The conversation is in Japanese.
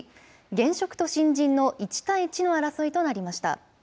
現職と新人の１対１の争いとなりました。